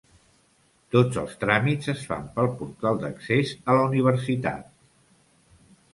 Tots els tràmits es fan pel portal d'accés a la universitat.